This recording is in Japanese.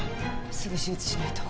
すぐ手術しないと。